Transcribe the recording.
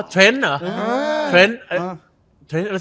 เห้ย